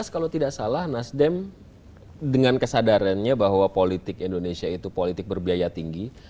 dua ribu empat belas kalau tidak salah nasdem dengan kesadarannya bahwa politik indonesia itu politik berbiaya tinggi